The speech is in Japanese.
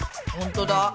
ほんとだ。